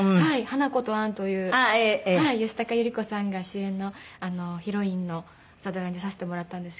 『花子とアン』という吉高由里子さんが主演のヒロインの朝ドラに出させてもらったんですけど。